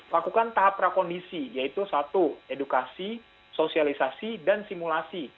lakukan tahap prakondisi yaitu satu edukasi sosialisasi dan simulasi